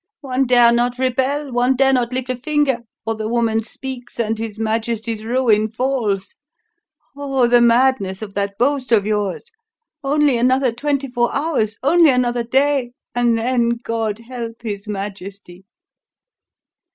"One dare not rebel: one dare not lift a finger, or the woman speaks and his Majesty's ruin falls. Oh, the madness of that boast of yours! Only another twenty four hours only another day and then God help his Majesty!"